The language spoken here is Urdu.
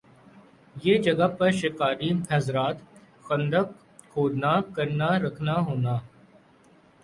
یِہ جگہ پر شکاری حضرات خندق کھودنا کرنا رکھنا ہونا